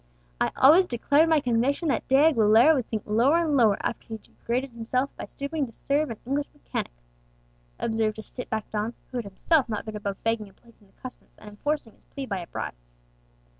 "I always declared my conviction that De Aguilera would sink lower and lower after he degraded himself by stooping to serve an English mechanic," observed a stiff backed don, who had himself not been above begging a place in the customs and enforcing his plea by a bribe.